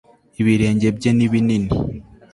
Ibirenge bye ni binini